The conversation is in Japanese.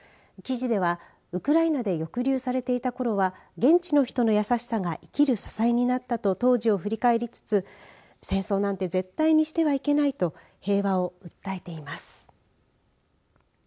記事ではウクライナで抑留されていたころは現地の人の優しさが生きる支えになったと当時を振り返りつつ戦争なんて絶対にしてはいけないと平和を訴えています。